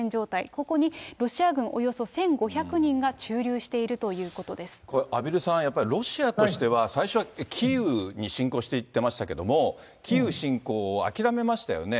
ここにロシア軍およそ１５００人これ、畔蒜さん、やっぱり、ロシアとしては、最初はキーウに侵攻していってましたけれども、キーウ侵攻を諦めましたよね。